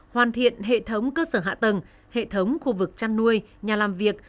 hoàn thiện hệ thống cơ sở hạ tầng hệ thống khu vực chăn nuôi nhà làm việc